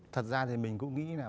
thật ra thì mình cũng nghĩ là